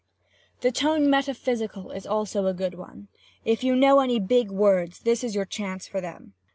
"The tone metaphysical is also a good one. If you know any big words this is your chance for them.